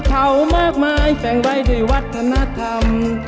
เอามากมายแปลงใบด้วยวัฒนธรรม